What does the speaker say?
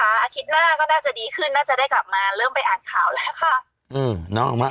อาทิตย์หน้าก็น่าจะดีขึ้นน่าจะได้กลับมาเริ่มไปอ่านข่าวแล้วค่ะ